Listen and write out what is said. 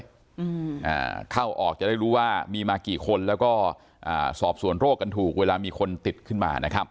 อืมอ่าเข้าออกจะได้รู้ว่ามีมากี่คนแล้วก็อ่าสอบส่วนโรคกันถูกเวลามีคนติดขึ้นมานะครับ